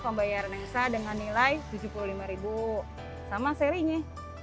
pembayaran yang sah dengan nilai tujuh puluh lima sama serinya